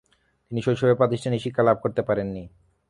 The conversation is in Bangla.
তিনি শৈশবে প্রাতিষ্ঠানিক শিক্ষা লাভ করতে পারেননি।